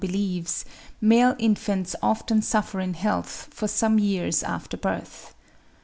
believes, male infants often suffer in health for some years after birth.